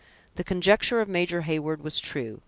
The conjecture of Major Heyward was true.